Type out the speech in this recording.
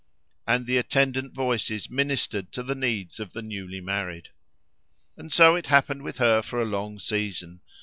And the attendant voices ministered to the needs of the newly married. And so it happened with her for a long season.